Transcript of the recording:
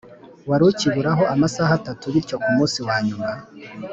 wari ukiburaho amasaha atatu Bityo ku munsi wa nyuma